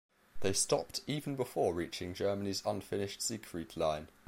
They stopped even before reaching Germany's unfinished Siegfried Line.